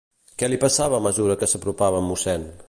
Què li passava a mesura que s'apropava a Mossèn?